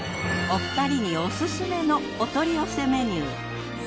お二人にオススメのお取り寄せメニュー。